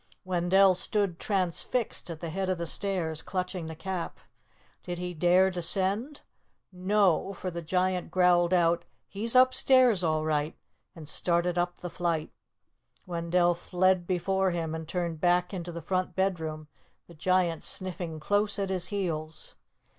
Wendell stood transfixed at the head of the stairs, clutching the Cap. Did he dare descend? No, for the Giant growled out, "He's upstairs, all right," and started up the flight. Wendell fled before him and turned back into the front bedroom, the Giant sniffing close at his heels.